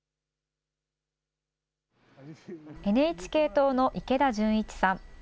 ＮＨＫ党の池田順一さん。